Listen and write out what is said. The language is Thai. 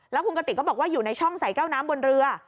แล้วคุณกติกก็บอกว่าอยู่ในช่องใส่แก้วน้ำบนเรือ